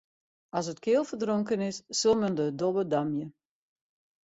As it keal ferdronken is, sil men de dobbe damje.